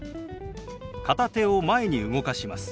片手を前に動かします。